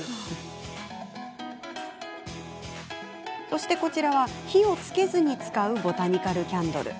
そしてこちらは火をつけずに使うボタニカルキャンドル。